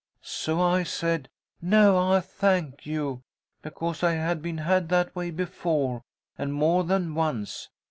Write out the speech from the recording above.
So I said, 'No, I thank you,' because I had been had that way before, and more than once.